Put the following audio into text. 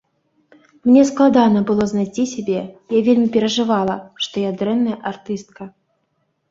Мне складана было знайсці сябе, я вельмі перажывала, што я дрэнная артыстка.